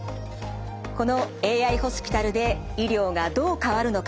このＡＩホスピタルで医療がどう変わるのか